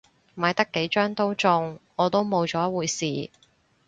買得幾張都中，我都冇咗回事